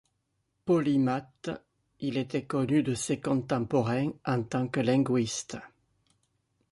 Polymathe, il était connu de ses contemporains en tant que linguiste.